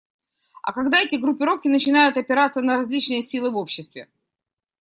А когда эти группировки начинают опираться на различные силы в обществе?